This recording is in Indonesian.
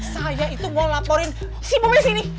saya itu mau laporin si bu messi ini